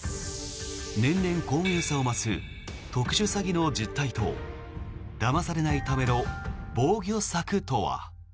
年々、巧妙さを増す特殊詐欺の実態とだまされないための防御策とは。